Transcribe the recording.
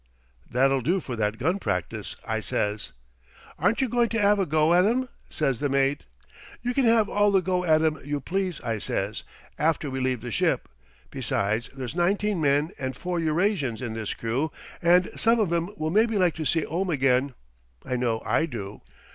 "That'll do for that gun practice,' I says. "'Aren't you goin' to 'ave a go at 'em?' says the mate. "'You can 'ave all the go at 'em you please,' I says, 'after we leave the ship. Besides you there's 19 men and 4 Eurasians in this crew, and some of 'em will maybe like to see 'ome again I know I do!'